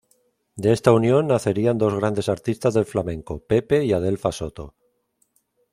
De esta unión nacerían dos grandes artistas del flamenco Pepe y Adelfa Soto.